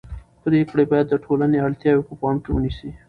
پرېکړې باید د ټولنې اړتیاوې په پام کې ونیسي